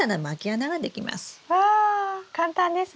わ簡単ですね。